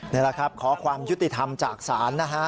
นี่แหละครับขอความยุติธรรมจากศาลนะฮะ